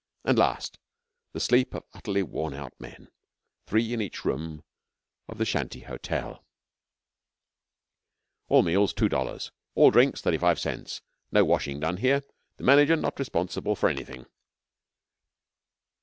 'and last, the sleep of utterly worn out men, three in each room of the shanty hotel: 'All meals two dollars. All drinks thirty five cents. No washing done here. The manager not responsible for anything.'